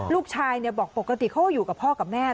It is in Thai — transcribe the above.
ลูกชายบอกปกติเขาก็อยู่กับพ่อกับแม่